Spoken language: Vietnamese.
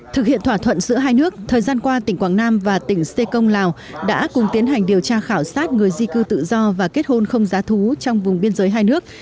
thực hiện thỏa thuận giữa hai nước thời gian qua tỉnh quảng nam và tỉnh xê công lào đã cùng tiến hành điều tra khảo sát người di cư tự do và kết hôn không giá thú trong vùng biên giới hai nước